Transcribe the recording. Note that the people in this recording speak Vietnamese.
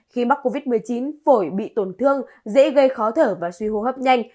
khi mắc covid một mươi chín phổi bị tổn thương dễ gây khó thở và suy hô hấp nhanh